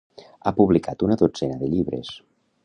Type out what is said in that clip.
Ha publicat una dotzena de llibres.